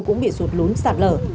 cũng bị sụt lún sạt lở